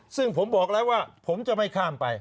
ซึ่งผมบอกแล้วว่าผมจะไม่ข้ามไป